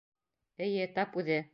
— Эйе, тап үҙе!